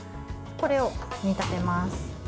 これを煮立てます。